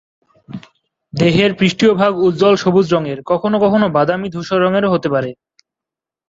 দেহের পৃষ্ঠীয় ভাগ উজ্জ্বল সবুজ রঙের; কখনও কখনও বাদামি-ধূসর রঙের হতে পারে।